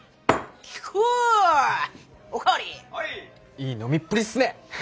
いい飲みっぷりっすね！